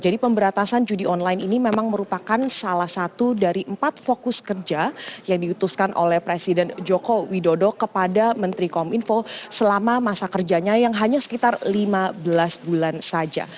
jadi pemberantasan judi online ini memang merupakan salah satu dari empat fokus kerja yang diutuskan oleh presiden joko widodo kepada menteri komunikasi dan informatika selama masa kerjanya yang hanya sekitar lima belas bulan saja